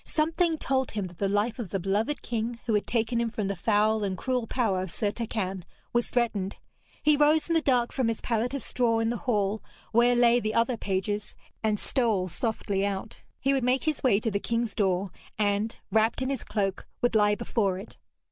Something told him that the life of the beloved king, who had taken him from the foul and cruel power of Sir Turquine, was threatened. He rose in the dark from his pallet of straw in the hall where lay the other pages, and stole softly out. He would make his way to the king's door, and, wrapped in his cloak, would lie before it.